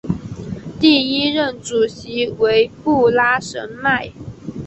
第一任主席为布拉什曼。